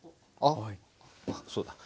あそうだ。